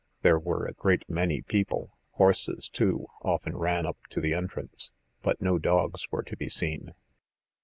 There were a great many people, horses, too, often ran up to the entrance, but no dogs were to be seen.